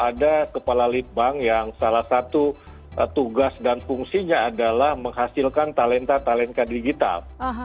ada kepala lead bank yang salah satu tugas dan fungsinya adalah menghasilkan talenta talenta digital